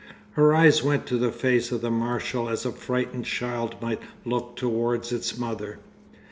Her eyes went to the face of the Marshal as a frightened child might look towards its mother.